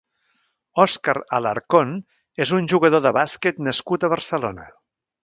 Oscar Alarcón és un jugador de bàsquet nascut a Barcelona.